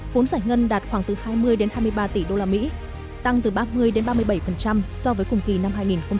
vốn giải ngân đạt khoảng từ hai mươi hai mươi ba tỷ usd tăng từ ba mươi ba mươi bảy so với cùng kỳ năm hai nghìn một mươi chín